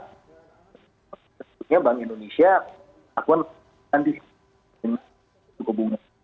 sebetulnya bank indonesia akun nanti cukup bunga